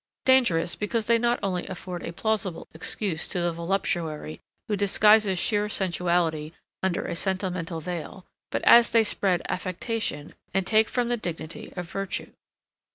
Dangerous, because they not only afford a plausible excuse to the voluptuary, who disguises sheer sensuality under a sentimental veil; but as they spread affectation, and take from the dignity of virtue.